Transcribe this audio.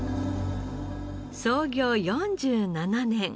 創業４７年。